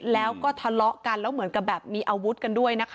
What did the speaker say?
แล้วก็ทะเลาะกันแล้วเหมือนกับแบบมีอาวุธกันด้วยนะคะ